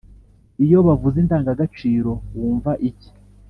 iyo bavuze indangagaciro, wumva iki